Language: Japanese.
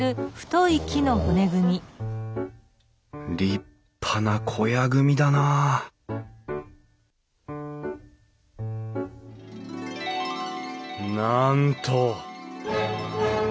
立派な小屋組みだななんと！